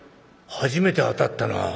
「初めて当たったな」。